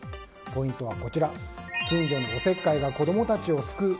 ポイントはこちら近所のおせっかいが子供たちを救う。